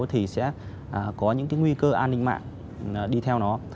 thì sẽ có những cái nguy cơ an ninh mạng đi theo nó